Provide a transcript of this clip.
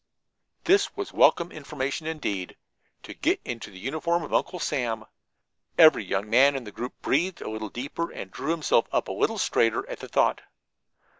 This was welcome information, indeed. To get into the uniform of Uncle Sam! Every young man in the group breathed a little deeper and drew himself up a little straighter at the thought.